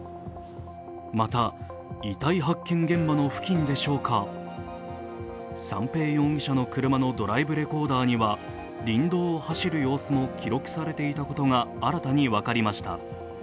また、遺体発見現場の付近でしょうか、三瓶容疑者の車のドライブレコーダーには林道を走る様子が記録されていたことが新たに分かりました。